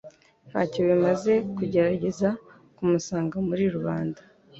Ntacyo bimaze kugerageza kumusanga muri rubanda.